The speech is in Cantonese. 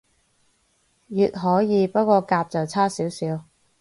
乙可以，不過甲就差少少